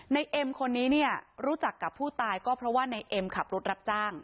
เอ็มคนนี้เนี่ยรู้จักกับผู้ตายก็เพราะว่าในเอ็มขับรถรับจ้าง